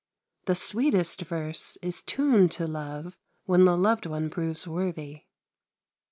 The sweetest verse is tuned to love when the loved one proves worthy.